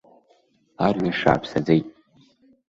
Арҩаш ааԥсаӡеит.